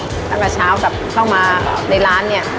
ตั้งแต่เช้ากลับเข้ามาในร้านเนี่ย